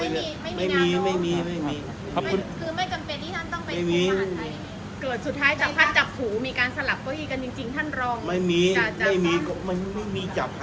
ท่านค้าในขณะที่ท่านเองเป็นผู้ใหญ่เนี่ยท่านนายโยคได้ปรึกษาในเรื่องการฝากคณะรัฐมนตรีไหมคะ